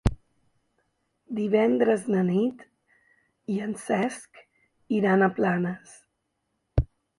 Divendres na Nit i en Cesc iran a Planes.